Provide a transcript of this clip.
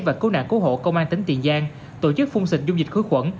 và cứu nạn cứu hộ công an tỉnh tiền giang tổ chức phun xịt dung dịch khứa quẩn